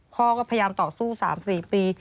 พ่อก็พยายามต่อสู้๓๔ปี